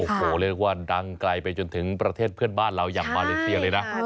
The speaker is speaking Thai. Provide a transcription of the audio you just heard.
โอ้โหเรียกว่าดังไกลไปจนถึงประเทศเพื่อนบ้านเราอย่างมาเลเซียเลยนะ